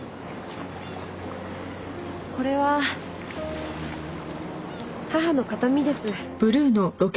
これは母の形見です。